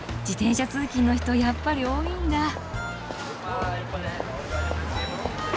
自転車通勤の人やっぱり多いんだ。